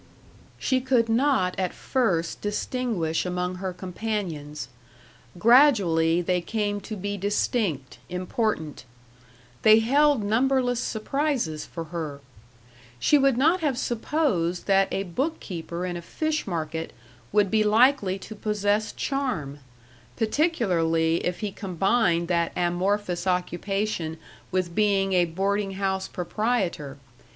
She could not at first distinguish among her companions. Gradually they came to be distinct, important. They held numberless surprises for her. She would not have supposed that a bookkeeper in a fish market would be likely to possess charm. Particularly if he combined that amorphous occupation with being a boarding house proprietor.